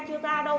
chưa ra đâu